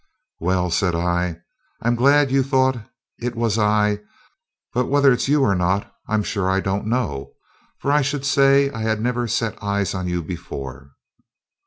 "Well," said I, "I'm glad you thought it was I; but whether it's you or not I'm sure I don't know, for I should say I had never set eyes on you before."